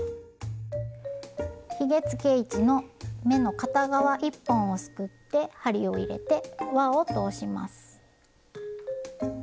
ひげつけ位置の目の片側１本をすくって針を入れて輪を通します。